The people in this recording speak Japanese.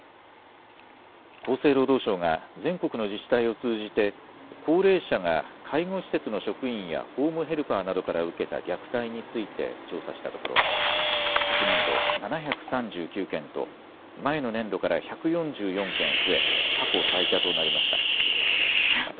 厚生労働省が全国の自治体を通じて、高齢者が介護施設の職員や、ホームヘルパーなどから受けた虐待について調査したところ、昨年度、７３９件と、前の年度から１４４件増え、過去最多となりました。